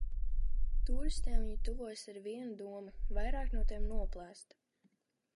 Tūristiem viņi tuvojas ar vienu domu - vairāk no tiem noplēst.